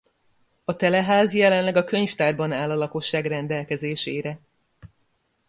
A Teleház jelenleg a Könyvtárban áll a lakosság rendelkezésére.